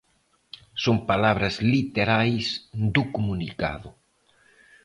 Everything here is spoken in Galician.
Son palabras literais do comunicado.